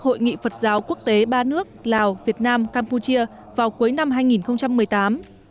hội nghị phật giáo quốc tế ba nước lào việt nam campuchia vào cuối năm hai nghìn một mươi tám